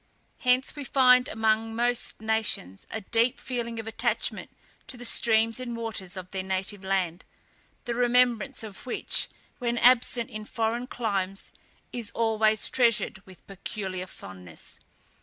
Hence we find among most nations a deep feeling of attachment to the streams and waters of their native land, the remembrance of which, when absent in foreign climes, is always treasured with peculiar fondness.